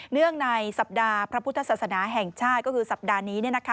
เนื่องในสัปดาห์พระพุทธศาสนาแห่งชาติก็คือสัปดาห์นี้